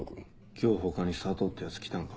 今日他に佐藤ってヤツ来たんか？